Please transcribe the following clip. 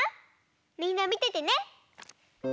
みんなみててね。